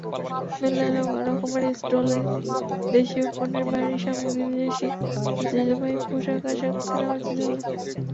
মেলায় রকমারি স্টলে দেশীয় পণ্যের বাহারি সামগ্রী, দেশি ঐতিহ্যবাহী পোশাক-আশাক কেনাবেচা চলে।